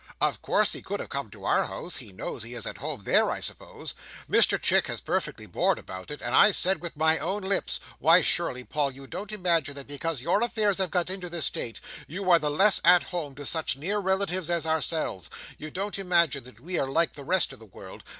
Of course he could have come to our house. He knows he is at home there, I suppose? Mr Chick has perfectly bored about it, and I said with my own lips, 'Why surely, Paul, you don't imagine that because your affairs have got into this state, you are the less at home to such near relatives as ourselves? You don't imagine that we are like the rest of the world?